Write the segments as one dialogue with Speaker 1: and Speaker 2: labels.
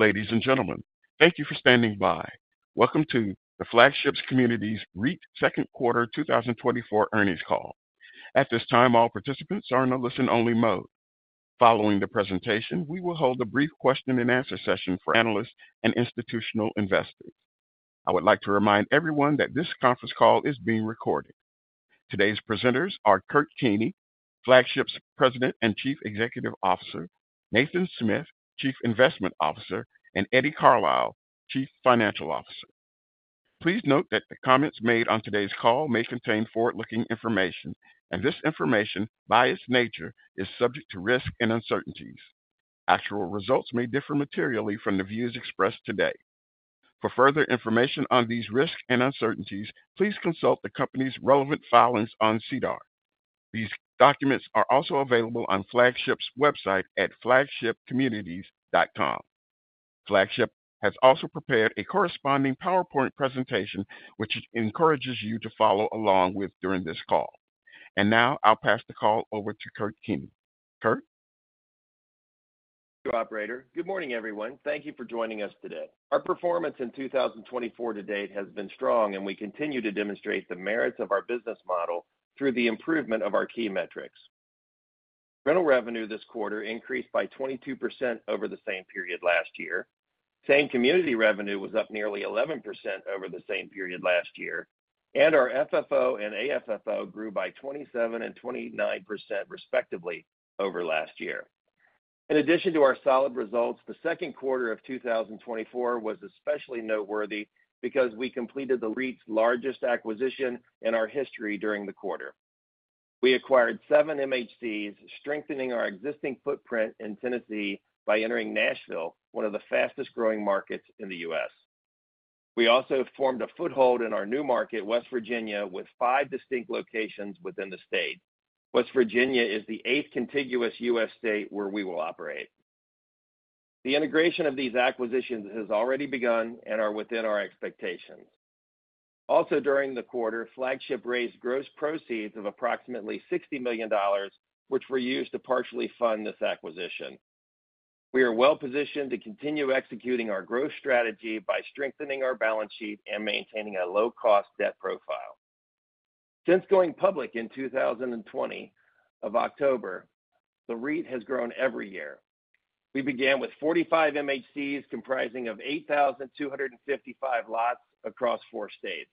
Speaker 1: Hello, ladies and gentlemen. Thank you for standing by. Welcome to the Flagship Communities REIT Second Quarter 2024 Earnings Call. At this time, all participants are in a listen-only mode. Following the presentation, we will hold a brief question-and-answer session for analysts and institutional investors. I would like to remind everyone that this conference call is being recorded. Today's presenters are Kurtis Keeney, Flagship's President and Chief Executive Officer, Nathan Smith, Chief Investment Officer, and Eddie Carlisle, Chief Financial Officer. Please note that the comments made on today's call may contain forward-looking information, and this information, by its nature, is subject to risks and uncertainties. Actual results may differ materially from the views expressed today. For further information on these risks and uncertainties, please consult the company's relevant filings on SEDAR. These documents are also available on Flagship's website at flagshipcommunities.com. Flagship has also prepared a corresponding PowerPoint presentation, which it encourages you to follow along with during this call. Now I'll pass the call over to Kurt Keeney. Kurt?...
Speaker 2: Thank you, operator. Good morning, everyone. Thank you for joining us today. Our performance in 2024 to date has been strong, and we continue to demonstrate the merits of our business model through the improvement of our key metrics. Rental revenue this quarter increased by 22% over the same period last year. Same-community revenue was up nearly 11% over the same period last year, and our FFO and AFFO grew by 27% and 29%, respectively, over last year. In addition to our solid results, the second quarter of 2024 was especially noteworthy because we completed the REIT's largest acquisition in our history during the quarter. We acquired 7 MHCs, strengthening our existing footprint in Tennessee by entering Nashville, one of the fastest-growing markets in the U.S. We also formed a foothold in our new market, West Virginia, with 5 distinct locations within the state. West Virginia is the eighth contiguous U.S. state where we will operate. The integration of these acquisitions has already begun and are within our expectations. Also, during the quarter, Flagship raised gross proceeds of approximately $60 million, which were used to partially fund this acquisition. We are well-positioned to continue executing our growth strategy by strengthening our balance sheet and maintaining a low-cost debt profile. Since going public in October 2020, the REIT has grown every year. We began with 45 MHCs, comprising of 8,255 lots across four states.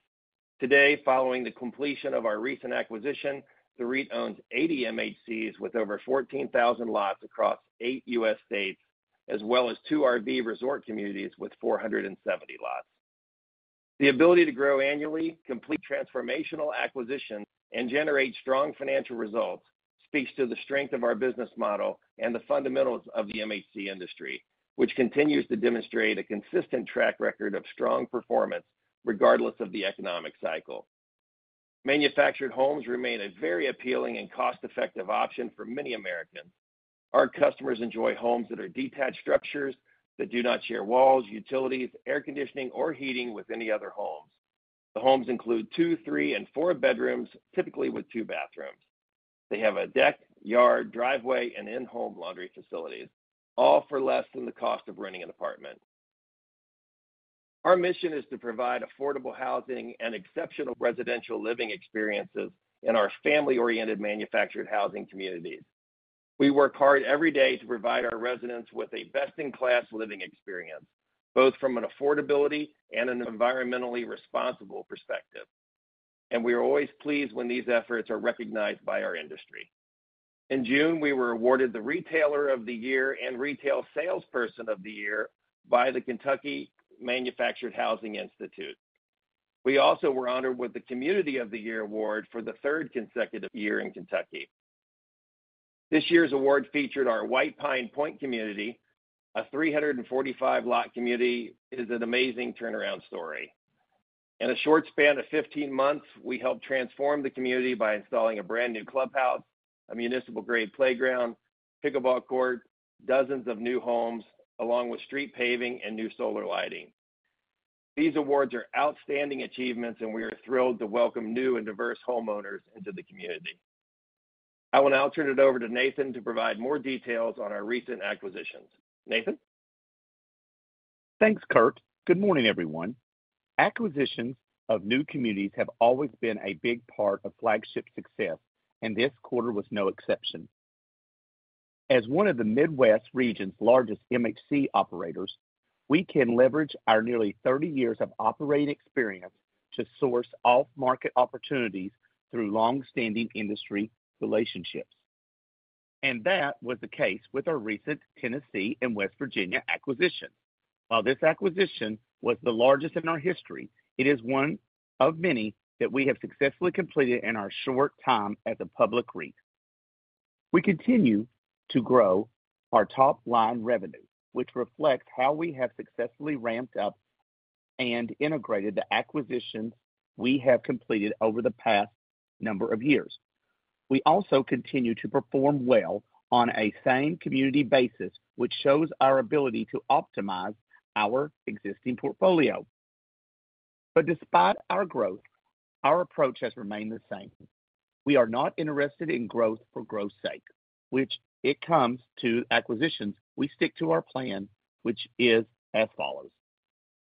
Speaker 2: Today, following the completion of our recent acquisition, the REIT owns 80 MHCs with over 14,000 lots across eight U.S. states, as well as two RV resort communities with 470 lots. The ability to grow annually, complete transformational acquisitions, and generate strong financial results speaks to the strength of our business model and the fundamentals of the MHC industry, which continues to demonstrate a consistent track record of strong performance regardless of the economic cycle. Manufactured homes remain a very appealing and cost-effective option for many Americans. Our customers enjoy homes that are detached structures that do not share walls, utilities, air conditioning, or heating with any other homes. The homes include two, three, and four bedrooms, typically with two bathrooms. They have a deck, yard, driveway, and in-home laundry facilities, all for less than the cost of renting an apartment. Our mission is to provide affordable housing and exceptional residential living experiences in our family-oriented manufactured housing communities. We work hard every day to provide our residents with a best-in-class living experience, both from an affordability and an environmentally responsible perspective. We are always pleased when these efforts are recognized by our industry. In June, we were awarded the Retailer of the Year and Retail Salesperson of the Year by the Kentucky Manufactured Housing Institute. We also were honored with the Community of the Year award for the third consecutive year in Kentucky. This year's award featured our White Pine Point community. A 345-lot community, it is an amazing turnaround story. In a short span of 15 months, we helped transform the community by installing a brand-new clubhouse, a municipal-grade playground, pickleball court, dozens of new homes, along with street paving and new solar lighting. These awards are outstanding achievements, and we are thrilled to welcome new and diverse homeowners into the community. I will now turn it over to Nathan to provide more details on our recent acquisitions. Nathan?
Speaker 3: Thanks, Kurt. Good morning, everyone. Acquisitions of new communities have always been a big part of Flagship's success, and this quarter was no exception. As one of the Midwest region's largest MHC operators, we can leverage our nearly 30 years of operating experience to source off-market opportunities through long-standing industry relationships. That was the case with our recent Tennessee and West Virginia acquisition. While this acquisition was the largest in our history, it is one of many that we have successfully completed in our short time as a public REIT. We continue to grow our top-line revenue, which reflects how we have successfully ramped up and integrated the acquisitions we have completed over the past number of years. We also continue to perform well on a same community basis, which shows our ability to optimize our existing portfolio. But despite our growth, our approach has remained the same. We are not interested in growth for growth's sake, which it comes to acquisitions, we stick to our plan, which is as follows.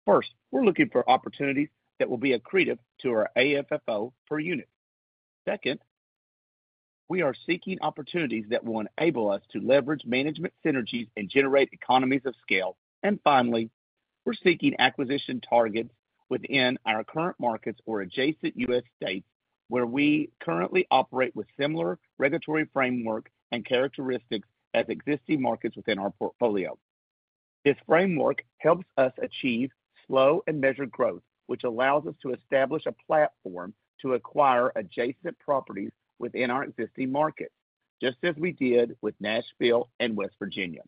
Speaker 3: First, we're looking for opportunities that will be accretive to our AFFO per unit. Second, we are seeking opportunities that will enable us to leverage management synergies and generate economies of scale. Finally, we're seeking acquisition targets within our current markets or adjacent U.S. states, where we currently operate with similar regulatory framework and characteristics as existing markets within our portfolio. This framework helps us achieve slow and measured growth, which allows us to establish a platform to acquire adjacent properties within our existing market, just as we did with Nashville and West Virginia.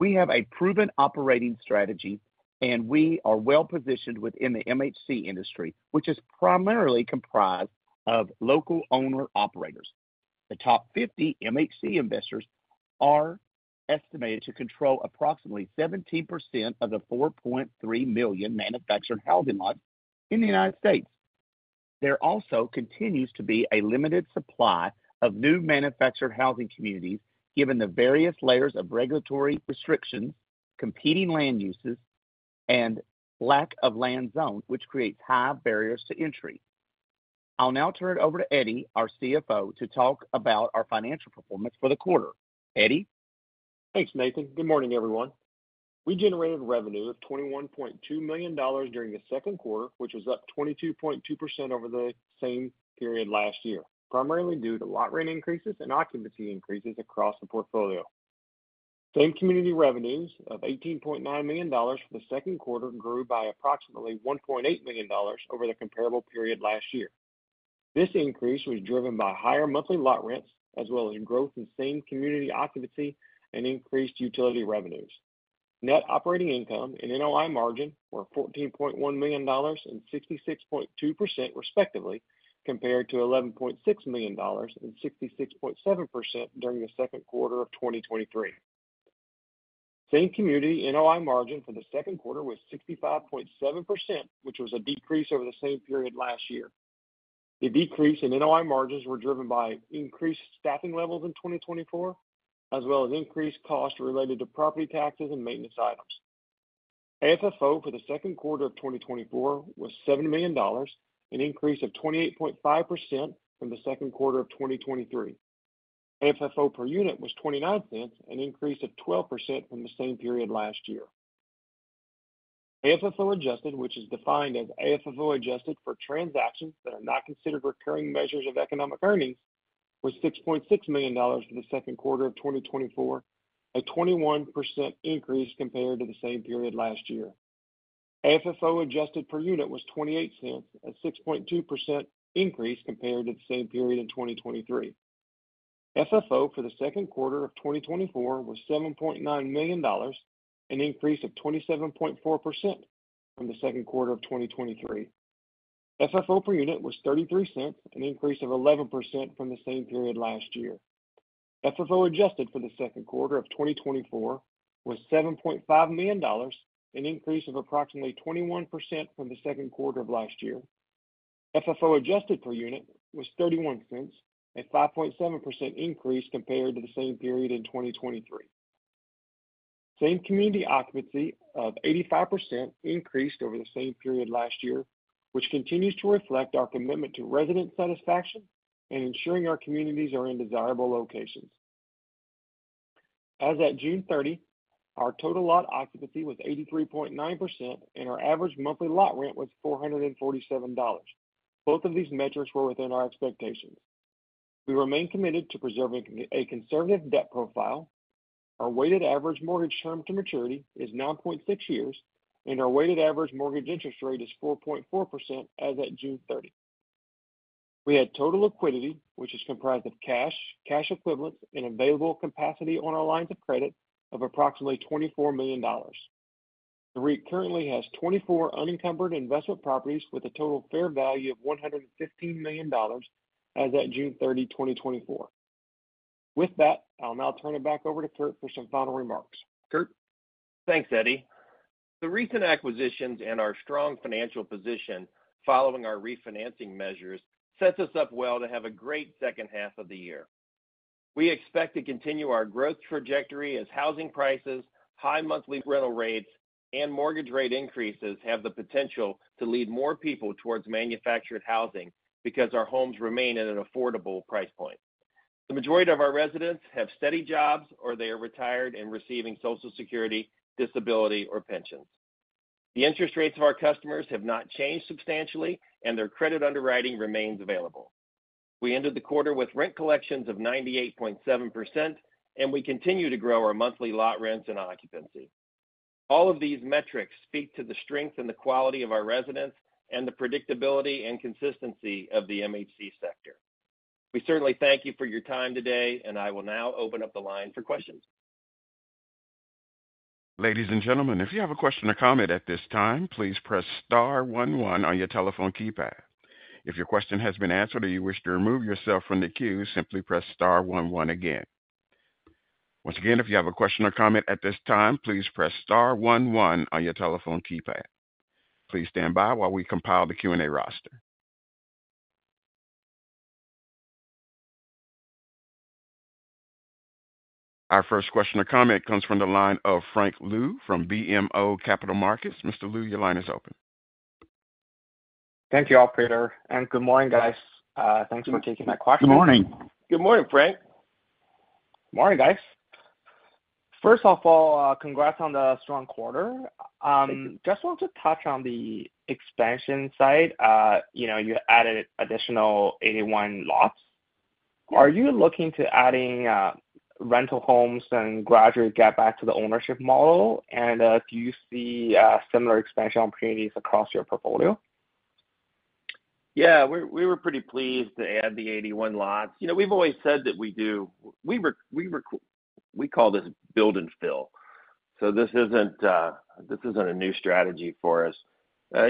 Speaker 3: We have a proven operating strategy, and we are well positioned within the MHC industry, which is primarily comprised of local owner-operators. The top 50 MHC investors are estimated to control approximately 17% of the 4.3 million manufactured housing lots in the United States. There also continues to be a limited supply of new manufactured housing communities, given the various layers of regulatory restrictions, competing land uses, and lack of land zoning, which creates high barriers to entry. I'll now turn it over to Eddie, our CFO, to talk about our financial performance for the quarter. Eddie?
Speaker 4: Thanks, Nathan. Good morning, everyone. We generated revenue of $21.2 million during the second quarter, which was up 22.2% over the same period last year, primarily due to lot rent increases and occupancy increases across the portfolio. Same-community revenues of $18.9 million for the second quarter grew by approximately $1.8 million over the comparable period last year. This increase was driven by higher monthly lot rents, as well as growth in same-community occupancy and increased utility revenues. Net operating income and NOI margin were $14.1 million and 66.2%, respectively, compared to $11.6 million and 66.7% during the second quarter of 2023. Same-community NOI margin for the second quarter was 65.7%, which was a decrease over the same period last year. The decrease in NOI margins were driven by increased staffing levels in 2024, as well as increased costs related to property taxes and maintenance items. AFFO for the second quarter of 2024 was $7 million, an increase of 28.5% from the second quarter of 2023. AFFO per unit was $0.29, an increase of 12% from the same period last year. AFFO adjusted, which is defined as AFFO adjusted for transactions that are not considered recurring measures of economic earnings, was $6.6 million for the second quarter of 2024, a 21% increase compared to the same period last year. AFFO adjusted per unit was $0.28, a 6.2% increase compared to the same period in 2023. FFO for the second quarter of 2024 was $7.9 million, an increase of 27.4% from the second quarter of 2023. FFO per unit was $0.33, an increase of 11% from the same period last year. FFO adjusted for the second quarter of 2024 was $7.5 million, an increase of approximately 21% from the second quarter of last year. FFO adjusted per unit was $0.31, a 5.7% increase compared to the same period in 2023. Same-Community occupancy of 85% increased over the same period last year, which continues to reflect our commitment to resident satisfaction and ensuring our communities are in desirable locations. As at June 30, our total lot occupancy was 83.9%, and our average monthly lot rent was $447. Both of these metrics were within our expectations. We remain committed to preserving a conservative debt profile. Our weighted average mortgage term to maturity is 9.6 years, and our weighted average mortgage interest rate is 4.4% as at June 30. We had total liquidity, which is comprised of cash, cash equivalents, and available capacity on our lines of credit of approximately $24 million. The REIT currently has 24 unencumbered investment properties with a total fair value of $115 million as at June 30, 2024. With that, I'll now turn it back over to Kurt for some final remarks. Kurt?
Speaker 2: Thanks, Eddie. The recent acquisitions and our strong financial position following our refinancing measures, sets us up well to have a great second half of the year. We expect to continue our growth trajectory as housing prices, high monthly rental rates, and mortgage rate increases have the potential to lead more people towards manufactured housing because our homes remain at an affordable price point. The majority of our residents have steady jobs, or they are retired and receiving Social Security, disability, or pensions. The interest rates of our customers have not changed substantially, and their credit underwriting remains available. We ended the quarter with rent collections of 98.7%, and we continue to grow our monthly lot rents and occupancy. All of these metrics speak to the strength and the quality of our residents and the predictability and consistency of the MHC sector. We certainly thank you for your time today, and I will now open up the line for questions.
Speaker 1: Ladies and gentlemen, if you have a question or comment at this time, please press star one one on your telephone keypad. If your question has been answered or you wish to remove yourself from the queue, simply press star one one again.... Once again, if you have a question or comment at this time, please press star one one on your telephone keypad. Please stand by while we compile the Q&A roster. Our first question or comment comes from the line of Frank Liu from BMO Capital Markets. Mr. Liu, your line is open.
Speaker 5: Thank you, operator, and good morning, guys. Thanks for taking my question.
Speaker 4: Good morning.
Speaker 2: Good morning, Frank. Morning, guys.
Speaker 5: First of all, congrats on the strong quarter.
Speaker 2: Thank you.
Speaker 5: just want to touch on the expansion side. You know, you added additional 81 lots. Are you looking to adding rental homes and gradually get back to the ownership model? And do you see similar expansion opportunities across your portfolio?
Speaker 2: Yeah, we were pretty pleased to add the 81 lots. You know, we've always said that we do. We call this Build-and-Fill. So this isn't a new strategy for us.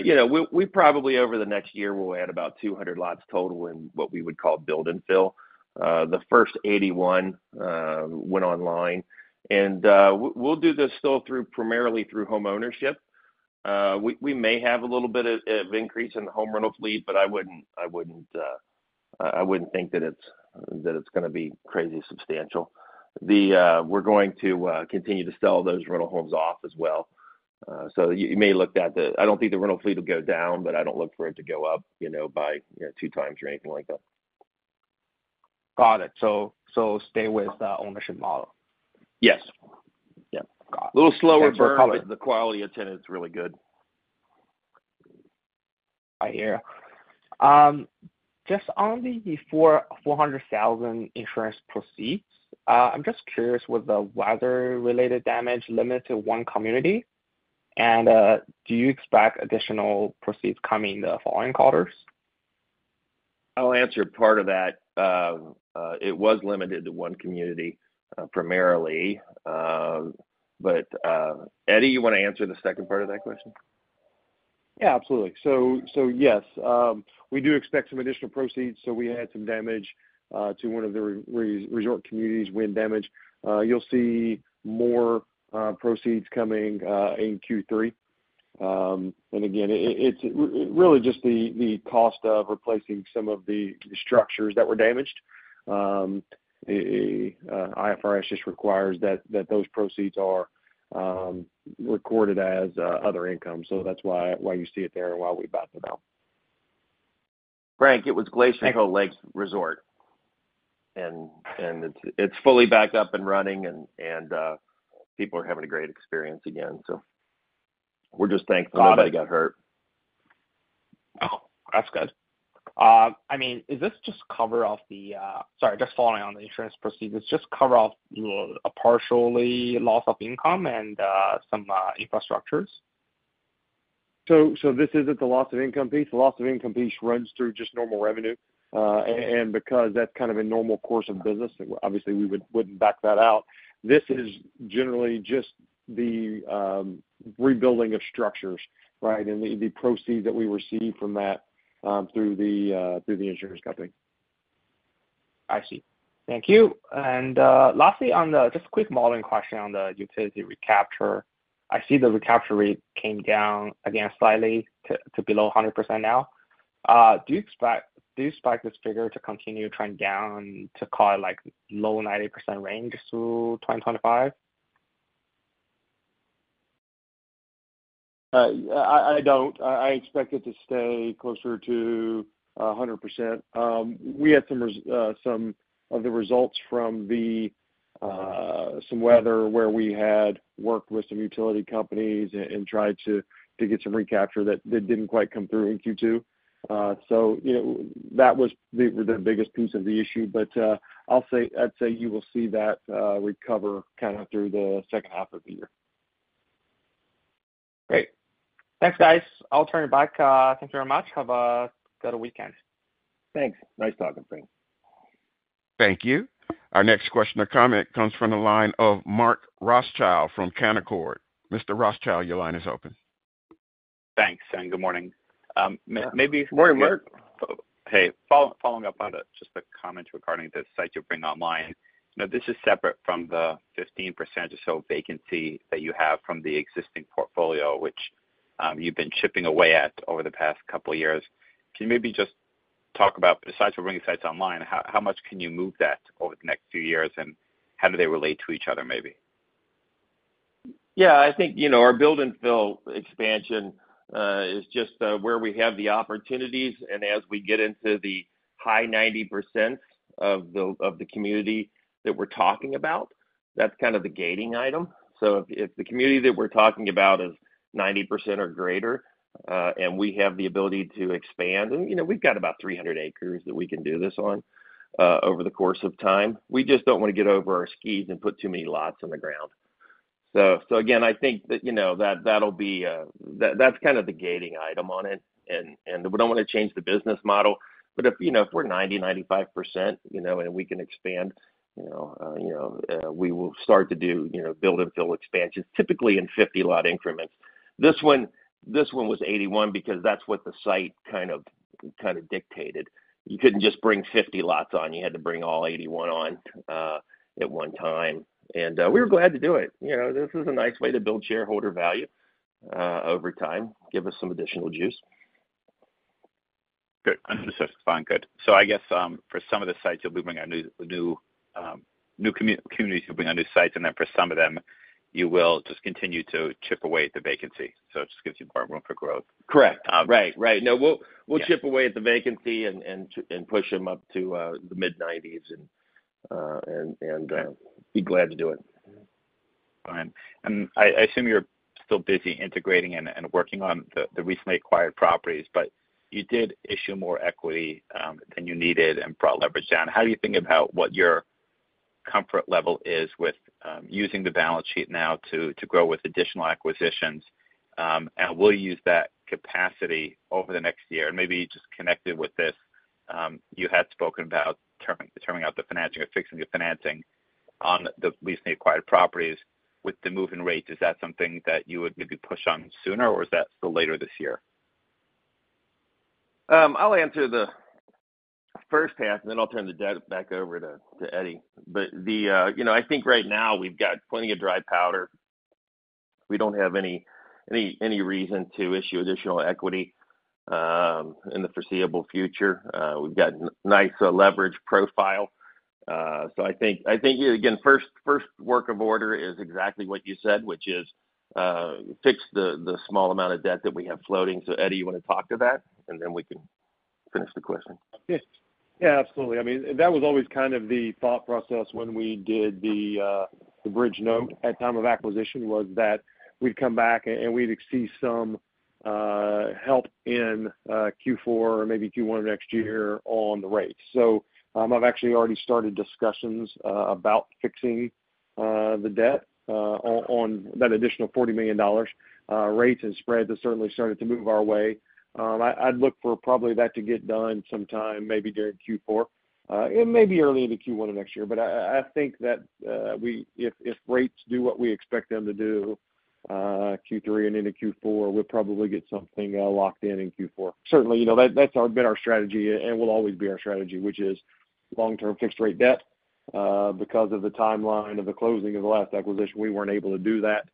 Speaker 2: You know, we probably over the next year will add about 200 lots total in what we would call Build-and-Fill. The first 81 went online, and we'll do this still through, primarily through homeownership. We may have a little bit of increase in the home rental fleet, but I wouldn't think that it's gonna be crazy substantial. We're going to continue to sell those rental homes off as well. So you may look at the... I don't think the rental fleet will go down, but I don't look for it to go up, you know, by, you know, two times or anything like that.
Speaker 5: Got it. So, stay with the ownership model?
Speaker 2: Yes. Yep.
Speaker 5: Got it.
Speaker 2: A little slower, but the quality attendance is really good.
Speaker 5: I hear. Just on the $400,000 insurance proceeds, I'm just curious, was the weather-related damage limited to one community? And, do you expect additional proceeds coming in the following quarters?
Speaker 2: I'll answer part of that. It was limited to one community, primarily. But, Eddie, you want to answer the second part of that question?
Speaker 4: Yeah, absolutely. So, so yes, we do expect some additional proceeds. So we had some damage to one of the resort communities, wind damage. You'll see more proceeds coming in Q3. And again, it's really just the cost of replacing some of the structures that were damaged. IFRS just requires that those proceeds are recorded as other income. So that's why you see it there and why we bounce it out.
Speaker 2: Frank, it was Glacier Hill Lakes Resort, and it's fully back up and running, and people are having a great experience again. So we're just thankful-
Speaker 5: Got it...
Speaker 2: nobody got hurt.
Speaker 5: Oh, that's good. I mean, is this just cover off the... Sorry, just following on the insurance proceeds, just cover off partial loss of income and some infrastructure?
Speaker 4: So, this isn't the loss of income piece. The loss of income piece runs through just normal revenue. And because that's kind of a normal course of business, obviously, we would, wouldn't back that out. This is generally just the rebuilding of structures, right? And the proceeds that we receive from that through the insurance company.
Speaker 5: I see. Thank you. And, lastly, on the, just a quick modeling question on the utility recapture. I see the recapture rate came down again, slightly to below 100% now. Do you expect, do you expect this figure to continue trending down to call it, like, low 90% range through 2025?
Speaker 4: I don't. I expect it to stay closer to 100%. We had some of the results from some weather where we had worked with some utility companies and tried to get some recapture that didn't quite come through in Q2. So, you know, that was the biggest piece of the issue. But, I'll say, I'd say you will see that recover kind of through the second half of the year.
Speaker 5: Great. Thanks, guys. I'll turn it back. Thank you very much. Have a good weekend.
Speaker 2: Thanks. Nice talking, Frank.
Speaker 1: Thank you. Our next question or comment comes from the line of Mark Rothschild from Canaccord. Mr. Rothschild, your line is open.
Speaker 6: Thanks, and good morning.
Speaker 2: Morning, Mark.
Speaker 6: Hey, following up on just a comment regarding the sites you're bringing online. Now, this is separate from the 15% or so vacancy that you have from the existing portfolio, which you've been chipping away at over the past couple of years. Can you maybe just talk about, besides from bringing sites online, how much can you move that over the next few years, and how do they relate to each other, maybe?
Speaker 2: Yeah, I think, you know, our Build-and-Fill expansion is just where we have the opportunities, and as we get into the high 90% of the community that we're talking about, that's kind of the gating item. So if the community that we're talking about is 90% or greater, and we have the ability to expand, and, you know, we've got about 300 acres that we can do this on over the course of time. We just don't want to get over our skis and put too many lots on the ground. So again, I think that, you know, that'll be that that's kind of the gating item on it, and we don't want to change the business model. But if, you know, if we're 90%-95%, you know, and we can expand, you know, you know, we will start to do, you know, Build-and-Fill expansions, typically in 50-lot increments. This one, this one was 81 because that's what the site kind of, kind of dictated. You couldn't just bring 50 lots on. You had to bring all 81 on at one time, and we were glad to do it. You know, this is a nice way to build shareholder value over time, give us some additional juice.
Speaker 6: Good. Understood. Fine. Good. So I guess, for some of the sites, you'll be bringing on new communities, you'll bring on new sites, and then for some of them, you will just continue to chip away at the vacancy, so it just gives you more room for growth.
Speaker 2: Correct.
Speaker 6: Um.
Speaker 2: Right, right. No, we'll-
Speaker 6: Yeah...
Speaker 2: we'll chip away at the vacancy and push them up to the mid-nineties and...
Speaker 6: Right...
Speaker 2: be glad to do it.
Speaker 6: Fine. And I assume you're still busy integrating and working on the recently acquired properties, but you did issue more equity than you needed and brought leverage down. How do you think about what your comfort level is with using the balance sheet now to grow with additional acquisitions? And we'll use that capacity over the next year, and maybe just connected with this, you had spoken about terming out the financing or fixing the financing on the recently acquired properties with the move-in rates. Is that something that you would maybe push on sooner, or is that still later this year?
Speaker 2: I'll answer the first half, and then I'll turn it back over to Eddie. But you know, I think right now we've got plenty of dry powder. We don't have any reason to issue additional equity in the foreseeable future. We've got nice leverage profile. So I think, again, first order of business is exactly what you said, which is fix the small amount of debt that we have floating. So Eddie, you want to talk to that? And then we can finish the question.
Speaker 4: Yes. Yeah, absolutely. I mean, that was always kind of the thought process when we did the bridge note at time of acquisition, was that we'd come back and we'd seek some help in Q4 or maybe Q1 of next year on the rates. So, I've actually already started discussions about fixing the debt on that additional $40 million. Rates and spreads have certainly started to move our way. I'd look for probably that to get done sometime, maybe during Q4, and maybe early into Q1 of next year. But I think that, if rates do what we expect them to do, Q3 and into Q4, we'll probably get something locked in in Q4. Certainly, you know, that's been our strategy and will always be our strategy, which is long-term fixed rate debt. Because of the timeline of the closing of the last acquisition, we weren't able to do that.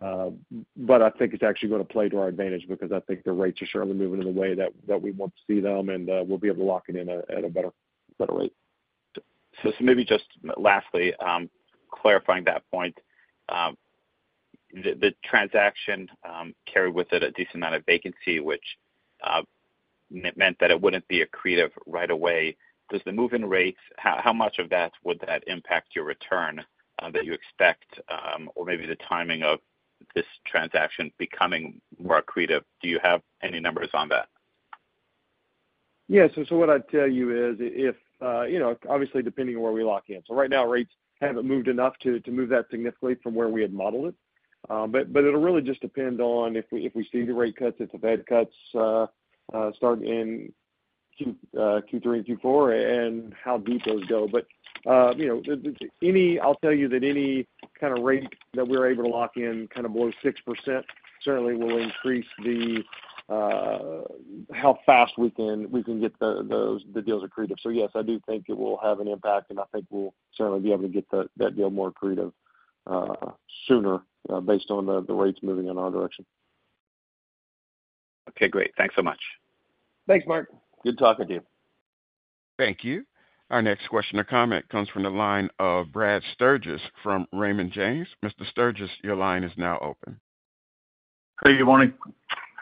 Speaker 4: But I think it's actually gonna play to our advantage because I think the rates are certainly moving in the way that we want to see them, and we'll be able to lock it in at a better rate.
Speaker 6: So, maybe just lastly, clarifying that point. The transaction carried with it a decent amount of vacancy, which meant that it wouldn't be accretive right away. Does the move-in rates, how much of that would that impact your return that you expect, or maybe the timing of this transaction becoming more accretive? Do you have any numbers on that?
Speaker 4: Yeah, so what I'd tell you is if, you know, obviously, depending on where we lock in. So right now, rates haven't moved enough to move that significantly from where we had modeled it. But it'll really just depend on if we see the rate cuts, if the Fed cuts start in Q, Q3 and Q4, and how deep those go. But you know, any... I'll tell you that any kind of rate that we're able to lock in, kind of below 6%, certainly will increase the how fast we can get those the deals accretive. So yes, I do think it will have an impact, and I think we'll certainly be able to get that deal more accretive sooner based on the rates moving in our direction.
Speaker 6: Okay, great. Thanks so much.
Speaker 4: Thanks, Mark.
Speaker 2: Good talking to you.
Speaker 1: Thank you. Our next question or comment comes from the line of Brad Sturges from Raymond James. Mr. Sturges, your line is now open.
Speaker 7: Hey, good morning.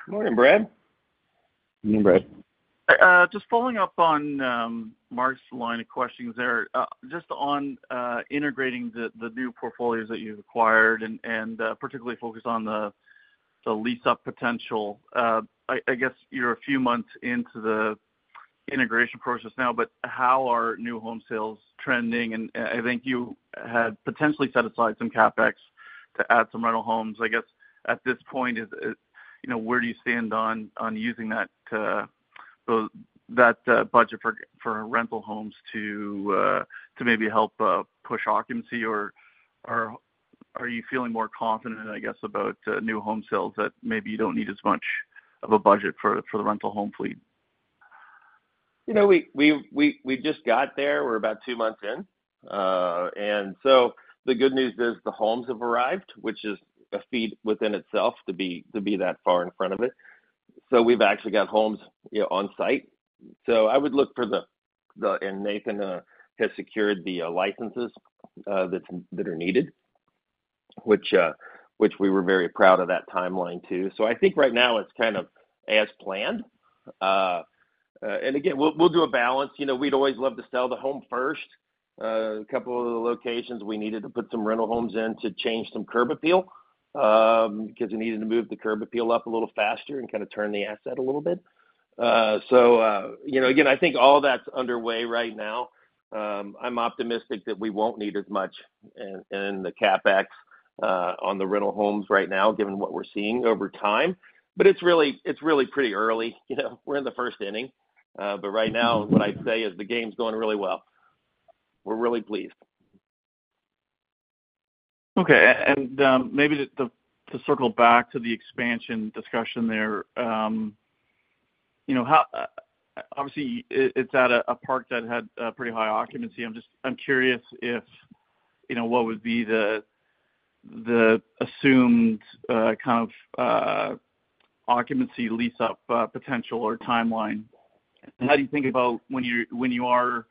Speaker 2: Morning, Brad.
Speaker 4: Morning, Brad.
Speaker 7: Just following up on Mark's line of questioning there, just on integrating the new portfolios that you've acquired and, particularly focused on the lease-up potential. I guess you're a few months into the integration process now, but how are new home sales trending? And I think you had potentially set aside some CapEx to add some rental homes. I guess at this point, you know, where do you stand on using that, well, that budget for rental homes to maybe help push occupancy? Or are you feeling more confident, I guess, about new home sales, that maybe you don't need as much of a budget for the rental home fleet?
Speaker 2: You know, we just got there. We're about two months in. And so the good news is the homes have arrived, which is a feat within itself to be that far in front of it. So we've actually got homes, you know, on site. So I would look for the... And Nathan has secured the licenses that are needed, which we were very proud of that timeline, too. So I think right now it's kind of as planned. And again, we'll do a balance. You know, we'd always love to sell the home first. A couple of the locations we needed to put some rental homes in to change some curb appeal, because we needed to move the curb appeal up a little faster and kind of turn the asset a little bit. So, you know, again, I think all that's underway right now. I'm optimistic that we won't need as much in the CapEx on the rental homes right now, given what we're seeing over time, but it's really, it's really pretty early. You know, we're in the first inning. But right now, what I'd say is the game's going really well. We're really pleased....
Speaker 7: Okay, and, maybe just to circle back to the expansion discussion there, you know, how, obviously, it's at a park that had a pretty high occupancy. I'm just—I'm curious if, you know, what would be the assumed kind of occupancy lease-up potential or timeline? And how do you think about when you are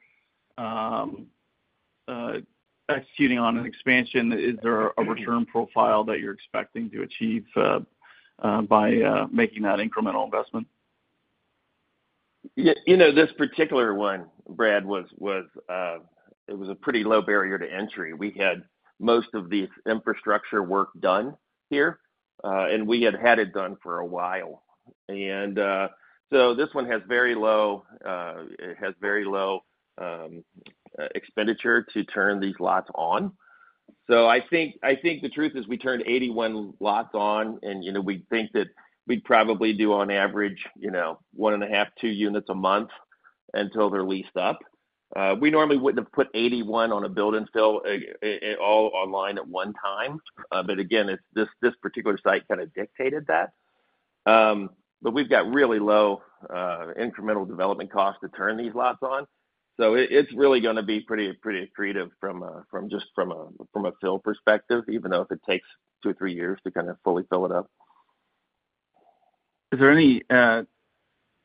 Speaker 7: executing on an expansion, is there a return profile that you're expecting to achieve by making that incremental investment?
Speaker 2: Yeah, you know, this particular one, Brad, was a pretty low barrier to entry. We had most of the infrastructure work done here, and we had had it done for a while. So this one has very low, it has very low expenditure to turn these lots on. So I think the truth is we turned 81 lots on, and, you know, we think that we'd probably do on average, you know, 1.5-2 units a month until they're leased up. We normally wouldn't have put 81 on a build-and-fill all online at one time. But again, it's this particular site kind of dictated that. But we've got really low incremental development costs to turn these lots on. It's really gonna be pretty, pretty accretive from just a fill perspective, even though if it takes 2 or 3 years to kind of fully fill it up.
Speaker 7: Is there any,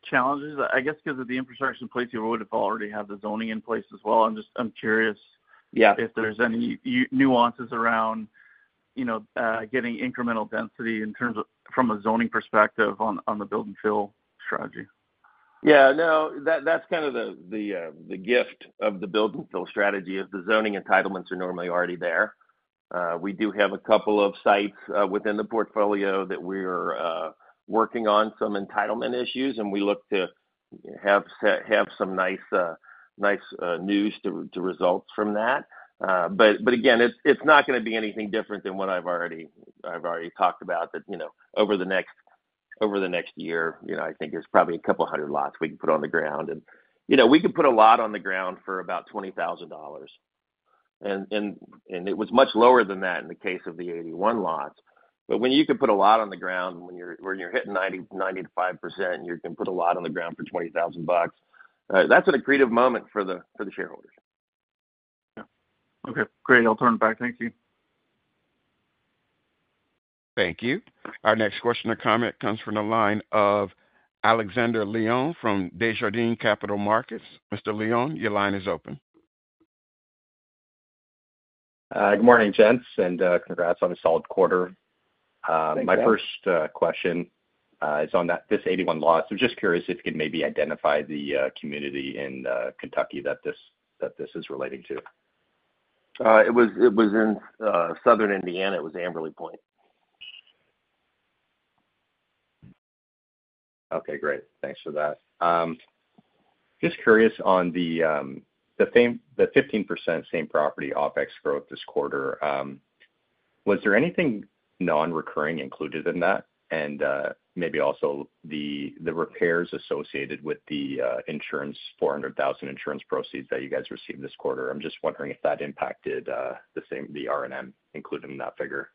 Speaker 7: challenges? I guess, because of the infrastructure in place, you would have already had the zoning in place as well. I'm just... I'm curious-
Speaker 2: Yeah.
Speaker 7: if there's any nuances around, you know, getting incremental density in terms of, from a zoning perspective on, on the build-and-fill strategy?
Speaker 2: Yeah, no, that, that's kind of the gift of the build-and-fill strategy, is the zoning entitlements are normally already there. We do have a couple of sites within the portfolio that we're working on some entitlement issues, and we look to have some nice news to result from that. But again, it's not gonna be anything different than what I've already talked about, you know, over the next year, you know, I think there's probably a couple hundred lots we can put on the ground. And, you know, we could put a lot on the ground for about $20,000. And it was much lower than that in the case of the 81 lots. But when you can put a lot on the ground, when you're hitting 90%-95%, you can put a lot on the ground for $20,000, that's an accretive moment for the shareholders.
Speaker 7: Yeah. Okay, great. I'll turn it back. Thank you.
Speaker 1: Thank you. Our next question or comment comes from the line of Alexander Leone from Desjardins Capital Markets. Mr. Leone, your line is open.
Speaker 8: Good morning, gents, and congrats on a solid quarter.
Speaker 2: Thank you.
Speaker 8: My first question is on that this 81 lots. So just curious if you could maybe identify the community in Kentucky that this is relating to.
Speaker 2: It was, it was in southern Indiana. It was Amberley Point.
Speaker 8: Okay, great. Thanks for that. Just curious on the, the same, the 15% same property OpEx growth this quarter, was there anything non-recurring included in that? And, maybe also the, the repairs associated with the, insurance, $400,000 insurance proceeds that you guys received this quarter. I'm just wondering if that impacted, the same, the NOI margin included in that figure.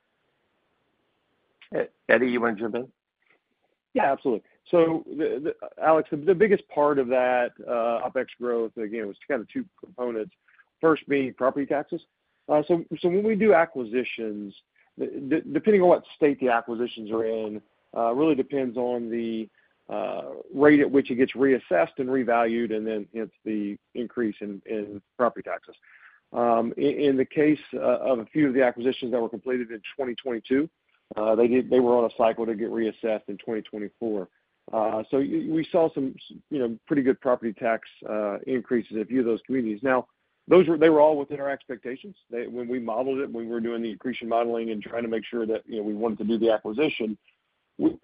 Speaker 2: Eddie, you want to jump in?
Speaker 4: Yeah, absolutely. So Alex, the biggest part of that OpEx growth, again, was kind of two components, first being property taxes. So when we do acquisitions, depending on what state the acquisitions are in, really depends on the rate at which it gets reassessed and revalued, and then hence, the increase in property taxes. In the case of a few of the acquisitions that were completed in 2022, they did—they were on a cycle to get reassessed in 2024. So we saw some, you know, pretty good property tax increases in a few of those communities. Now, those were—they were all within our expectations. When we modeled it, when we were doing the accretion modeling and trying to make sure that, you know, we wanted to do the acquisition,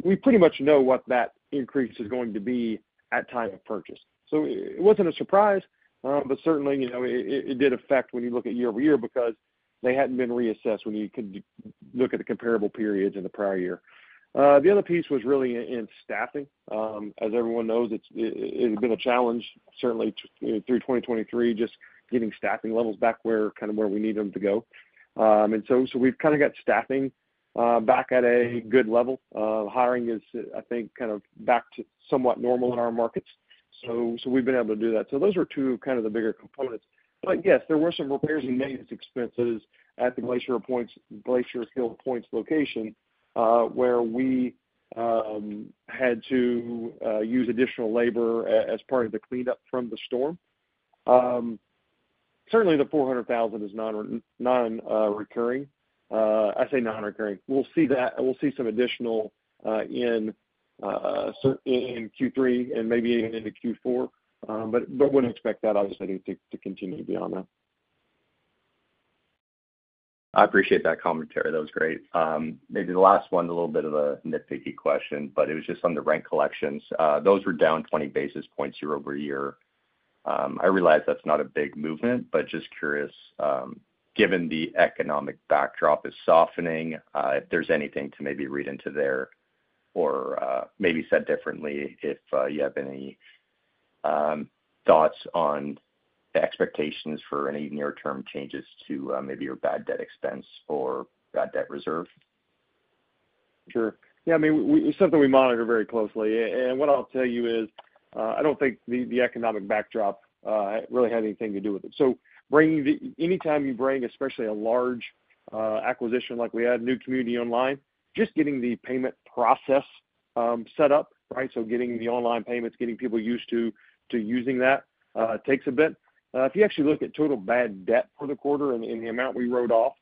Speaker 4: we pretty much know what that increase is going to be at time of purchase. So it wasn't a surprise, but certainly, you know, it did affect when you look at year-over-year, because they hadn't been reassessed when you could look at the comparable periods in the prior year. The other piece was really in staffing. As everyone knows, it has been a challenge, certainly through 2023, just getting staffing levels back where, kind of where we need them to go. And so we've kind of got staffing back at a good level. Hiring is, I think, kind of back to somewhat normal in our markets. So we've been able to do that. So those are two kind of the bigger components. But yes, there were some repairs and maintenance expenses at the Glacier Hill Points location, where we had to use additional labor as part of the cleanup from the storm. Certainly, the $400,000 is non-recurring. I say non-recurring. We'll see that, we'll see some additional incurring in Q3 and maybe even into Q4, but wouldn't expect that, obviously, to continue beyond that.
Speaker 8: I appreciate that commentary. That was great. Maybe the last one, a little bit of a nitpicky question, but it was just on the rent collections. Those were down 20 basis points year-over-year. I realize that's not a big movement, but just curious, given the economic backdrop is softening, if there's anything to maybe read into there or, maybe said differently, if, you have any-... thoughts on the expectations for any near-term changes to, maybe your bad debt expense or bad debt reserve?
Speaker 4: Sure. Yeah, I mean, it's something we monitor very closely. And what I'll tell you is, I don't think the economic backdrop really had anything to do with it. So bringing-- anytime you bring, especially a large acquisition like we had, New Community online, just getting the payment process set up, right? So getting the online payments, getting people used to using that takes a bit. If you actually look at total bad debt for the quarter and the amount we wrote off,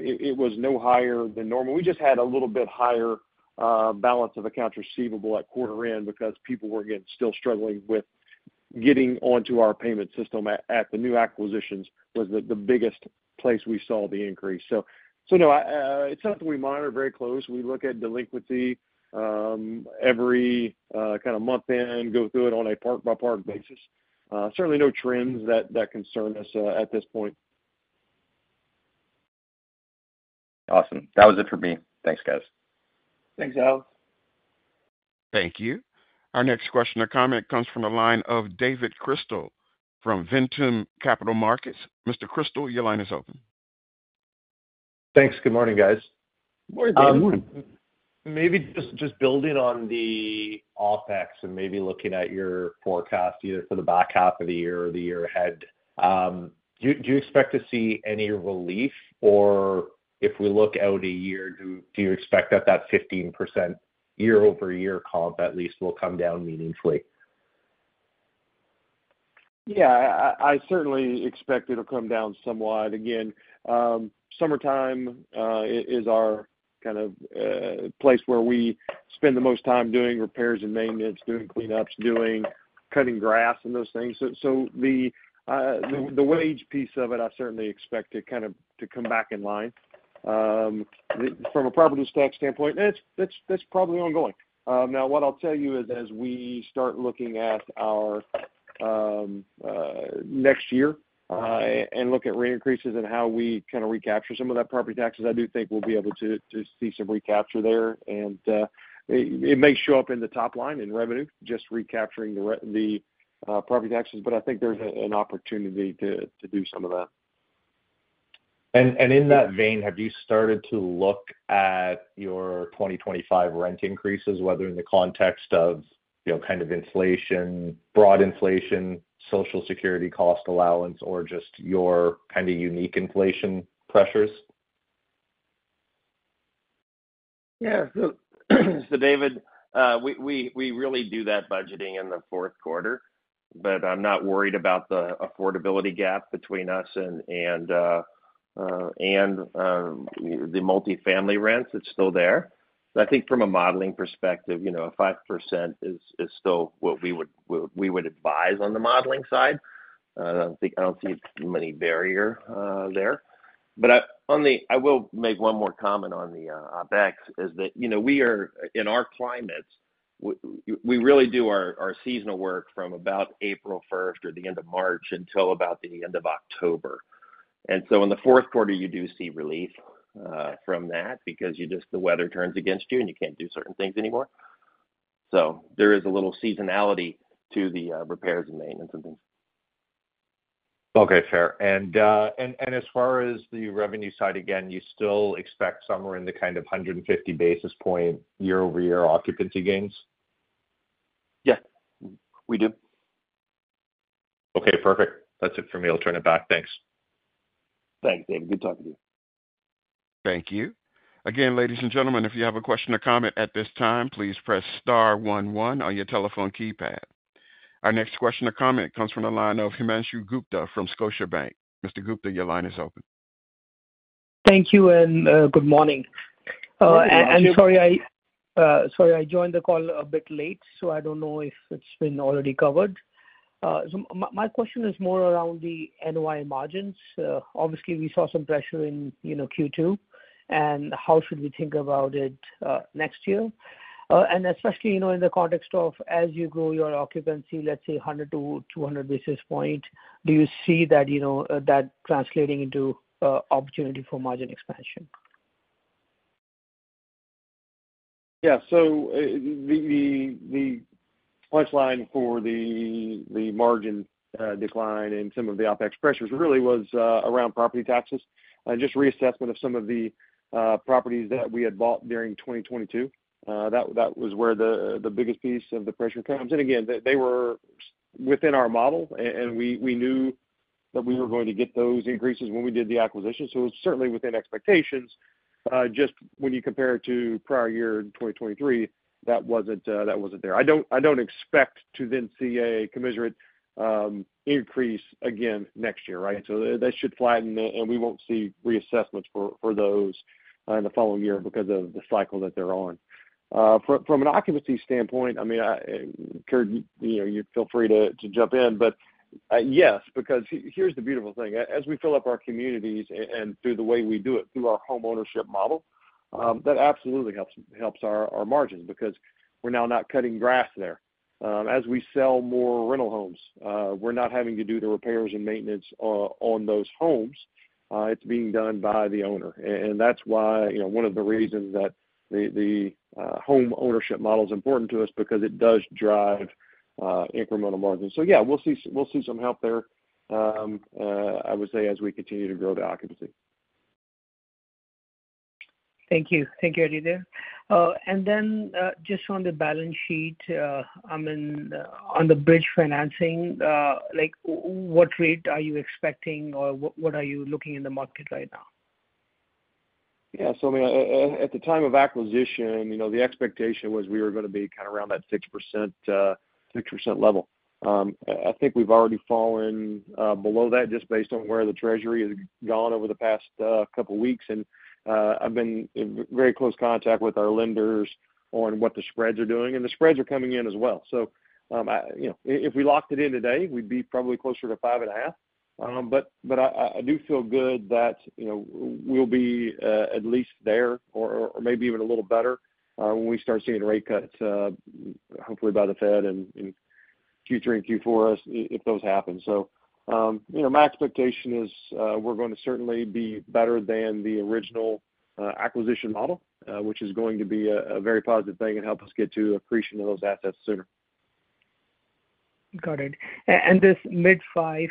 Speaker 4: it was no higher than normal. We just had a little bit higher balance of accounts receivable at quarter end because people were getting still struggling with getting onto our payment system at the new acquisitions was the biggest place we saw the increase. So no, it's something we monitor very closely. We look at delinquency every month and go through it on a park-by-park basis. Certainly no trends that concern us at this point.
Speaker 8: Awesome. That was it for me. Thanks, guys.
Speaker 4: Thanks, Alex.
Speaker 1: Thank you. Our next question or comment comes from the line of David Chrystal from Ventum Capital Markets. Mr. Chrystal, your line is open.
Speaker 9: Thanks. Good morning, guys.
Speaker 4: Good morning, David.
Speaker 9: Maybe just, just building on the OpEx and maybe looking at your forecast, either for the back half of the year or the year ahead, do you expect to see any relief? Or if we look out a year, do you expect that 15% year-over-year comp, at least, will come down meaningfully?
Speaker 4: Yeah, I certainly expect it'll come down somewhat. Again, summertime is our kind of place where we spend the most time doing repairs and maintenance, doing cleanups, doing cutting grass and those things. So the wage piece of it, I certainly expect it kind of to come back in line. From a property tax standpoint, that's probably ongoing. Now, what I'll tell you is as we start looking at our next year and look at rate increases and how we kind of recapture some of that property taxes, I do think we'll be able to see some recapture there. And it may show up in the top line in revenue, just recapturing the property taxes, but I think there's an opportunity to do some of that.
Speaker 9: And in that vein, have you started to look at your 2025 rent increases, whether in the context of, you know, kind of inflation, broad inflation, social security cost allowance, or just your kind of unique inflation pressures?
Speaker 2: Yeah. So, David, we really do that budgeting in the fourth quarter, but I'm not worried about the affordability gap between us and the multifamily rents. It's still there. I think from a modeling perspective, you know, 5% is still what we would advise on the modeling side. I don't think. I don't see many barriers there. But on the... I will make one more comment on the OpEx, that, you know, we are, in our climates, we really do our seasonal work from about April 1st or the end of March until about the end of October. And so in the fourth quarter, you do see relief from that because you just, the weather turns against you, and you can't do certain things anymore. There is a little seasonality to the repairs and maintenance and things.
Speaker 9: Okay, fair. And as far as the revenue side, again, you still expect somewhere in the kind of 150 basis point year-over-year occupancy gains?
Speaker 2: Yeah, we do.
Speaker 9: Okay, perfect. That's it for me. I'll turn it back. Thanks.
Speaker 2: Thanks, David. Good talking to you.
Speaker 1: Thank you. Again, ladies and gentlemen, if you have a question or comment at this time, please press star one one on your telephone keypad. Our next question or comment comes from the line of Himanshu Gupta from Scotiabank. Mr. Gupta, your line is open.
Speaker 10: Thank you, and, good morning.
Speaker 4: Good morning, Himanshu.
Speaker 10: I'm sorry, sorry, I joined the call a bit late, so I don't know if it's been already covered. So my question is more around the NOI margins. Obviously, we saw some pressure in, you know, Q2, and how should we think about it, next year? And especially, you know, in the context of as you grow your occupancy, let's say 100 basis point-200 basis point, do you see that, you know, that translating into, opportunity for margin expansion?
Speaker 4: Yeah. So, the punch line for the margin decline and some of the OpEx pressures really was around property taxes and just reassessment of some of the properties that we had bought during 2022. That was where the biggest piece of the pressure comes. And again, they were within our model, and we knew that we were going to get those increases when we did the acquisition. So it's certainly within expectations. Just when you compare it to prior year, 2023, that wasn't there. I don't expect to then see a commensurate increase again next year, right? So they should flatten, and we won't see reassessments for those in the following year because of the cycle that they're on. From an occupancy standpoint, I mean, Kurt, you know, you feel free to jump in, but yes, because here's the beautiful thing. As we fill up our communities and through the way we do it, through our homeownership model, that absolutely helps our margins because we're now not cutting grass there. As we sell more rental homes, we're not having to do the repairs and maintenance on those homes. It's being done by the owner. And that's why, you know, one of the reasons that the home ownership model is important to us because it does drive incremental margins. So yeah, we'll see some help there.... I would say as we continue to grow the occupancy.
Speaker 10: Thank you. Thank you, Eddie, there. And then, just on the balance sheet, I mean, on the bridge financing, like, what rate are you expecting or what are you looking in the market right now?
Speaker 4: Yeah, so, I mean, at the time of acquisition, you know, the expectation was we were gonna be kind of around that 6%, 6% level. I think we've already fallen below that, just based on where the Treasury has gone over the past couple weeks. And I've been in very close contact with our lenders on what the spreads are doing, and the spreads are coming in as well. So, you know, if we locked it in today, we'd be probably closer to 5.5%. But I do feel good that, you know, we'll be at least there or maybe even a little better when we start seeing rate cuts, hopefully by the Fed in Q3 and Q4, if those happen. So, you know, my expectation is, we're going to certainly be better than the original acquisition model, which is going to be a very positive thing and help us get to appreciating those assets sooner.
Speaker 10: Got it. And this mid-5%,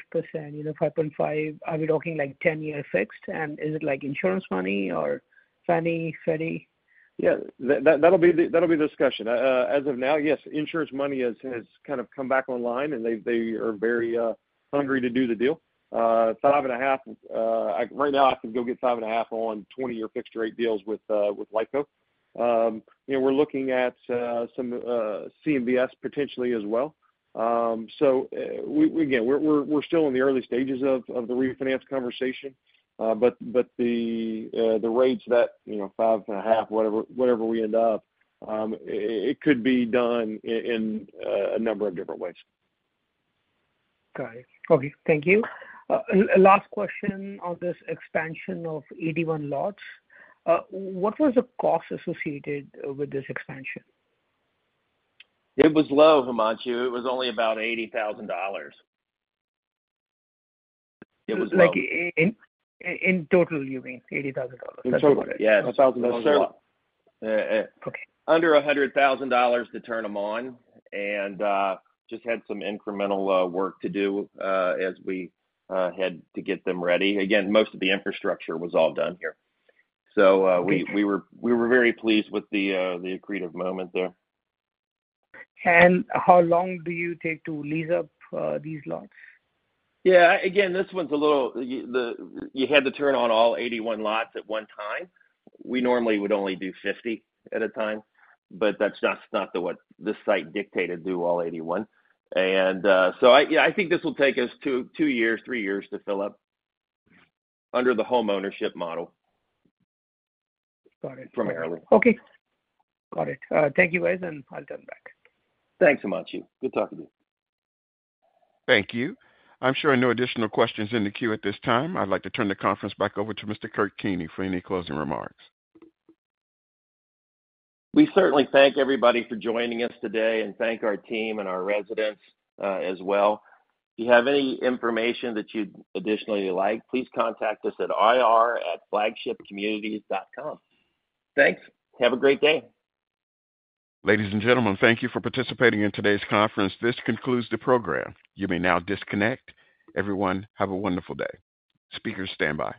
Speaker 10: you know, 5.5%, are we talking like 10-year fixed? And is it like insurance money or Fannie, Freddie?
Speaker 4: Yeah, that, that'll be the discussion. As of now, yes, insurance money has kind of come back online, and they are very hungry to do the deal. Five and a half, right now, I can go get 5.5% on 20-year fixed rate deals with LifeCo. You know, we're looking at some CMBS potentially as well. So, we again, we're still in the early stages of the refinance conversation. But the rates that, you know, 5.5%, whatever we end up, it could be done in a number of different ways.
Speaker 10: Got it. Okay, thank you. Last question on this expansion of 81 lots. What was the cost associated with this expansion?
Speaker 2: It was low, Himanshu. It was only about $80,000. It was low.
Speaker 10: Like, in total, you mean, $80,000?
Speaker 2: In total, yes.
Speaker 4: $1,000 a lot.
Speaker 2: Uh, uh-
Speaker 10: Okay.
Speaker 2: Under $100,000 to turn them on and, just had some incremental work to do, as we had to get them ready. Again, most of the infrastructure was all done here. So, we-
Speaker 10: Okay.
Speaker 2: We were very pleased with the accretive moment there.
Speaker 10: How long do you take to lease up, these lots?
Speaker 2: Yeah, again, this one's a little. Yeah, the you had to turn on all 81 lots at one time. We normally would only do 50 at a time, but that's not, not the what. This site dictated do all 81. And, so I, yeah, I think this will take us two, two years, three years to fill up under the homeownership model.
Speaker 10: Got it.
Speaker 2: Primarily.
Speaker 10: Okay. Got it. Thank you, guys, and I'll turn back.
Speaker 2: Thanks, Himanshu. Good talking to you.
Speaker 1: Thank you. I'm showing no additional questions in the queue at this time. I'd like to turn the conference back over to Mr. Kurt Keeney for any closing remarks.
Speaker 2: We certainly thank everybody for joining us today and thank our team and our residents, as well. If you have any information that you'd additionally like, please contact us at ir@flagshipcommunities.com. Thanks. Have a great day.
Speaker 1: Ladies and gentlemen, thank you for participating in today's conference. This concludes the program. You may now disconnect. Everyone, have a wonderful day. Speakers, standby.